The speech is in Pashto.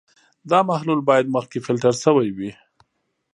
دا محلول باید مخکې فلټر شوی وي.